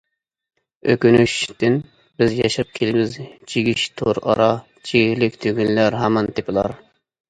( «ئۆكۈنۈش» تىن) بىز ياشاپ كېلىمىز چىگىش تور ئارا، چىگىكلىك تۈگۈنلەر ھامان تېپىلار.